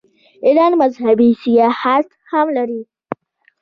ایران مذهبي سیاحت هم لري.